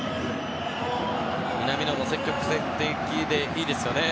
南野、積極的でいいですよね。